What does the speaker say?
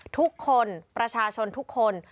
ทุกคนประชาชนทุกคน